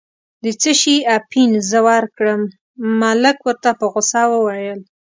د څه شي اپین زه ورکړم، ملک ورته په غوسه وویل.